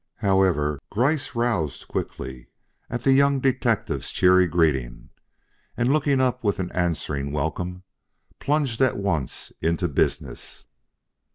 However, Gryce roused quickly at the young detective's cheery greeting, and looking up with an answering welcome, plunged at once into business.